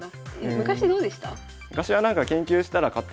昔どうでした？